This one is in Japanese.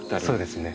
そうですね。